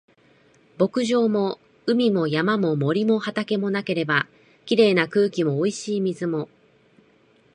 牧場も海も山も森も畑もなければ、綺麗な空気も美味しい水も